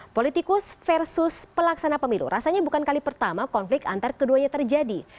politikus versus pelaksana pemilu rasanya bukan kali pertama konflik antar keduanya terjadi